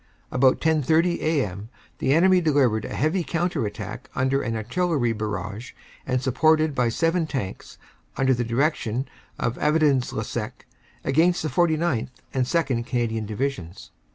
"About 10.30 a.m. the enemy delivered a heavy counter attack under an Artillery barrage and supported by seven Tanks, from the direction of Avesnes le Sec, against the 49th. and 2nd. Canadian Divisions.